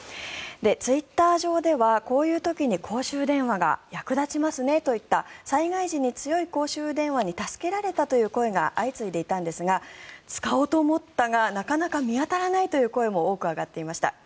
ツイッター上ではこういう時に公衆電話が役立ちますねといった災害時に強い公衆電話に助けられたという声が相次いでいたんですが使おうと思ったがなかなか見当たらないという声も多く上がっていました。